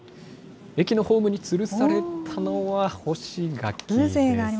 駅のホームにつるされたのは干し柿です。